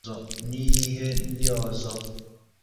na ihe ndị ọzọ